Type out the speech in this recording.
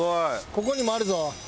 ここにもあるぞ！